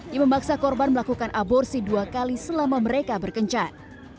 yang memaksa korban melakukan aborsi dua kali selama mereka berkencan